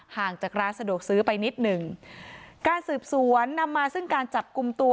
ห่างจากร้านสะดวกซื้อไปนิดหนึ่งการสืบสวนนำมาซึ่งการจับกลุ่มตัว